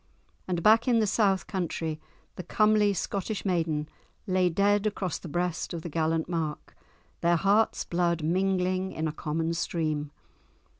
And back in the south country, the comely Scottish maiden lay dead across the breast of the gallant Mark, their hearts' blood mingling in a common stream.